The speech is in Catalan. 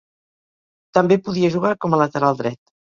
També podia jugar com a lateral dret.